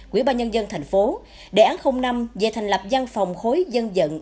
quỹ ba nhân dân thành phố đề án năm về thành lập văn phòng khối dân dận